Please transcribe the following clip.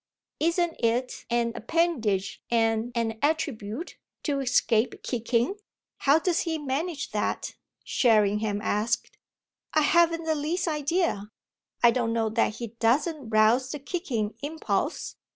Isn't it an appendage and an attribute to escape kicking? How does he manage that?" Sherringham asked. "I haven't the least idea I don't know that he doesn't rouse the kicking impulse.